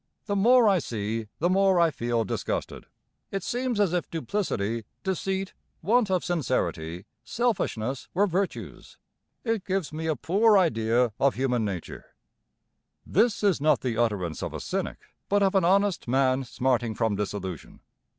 The more I see the more I feel disgusted. It seems as if duplicity, deceit, want of sincerity, selfishness were virtues. It gives me a poor idea of human nature.' This is not the utterance of a cynic, but of an honest man smarting from disillusion.